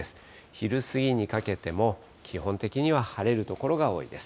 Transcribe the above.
昼過ぎにかけても、基本的には晴れる所が多いです。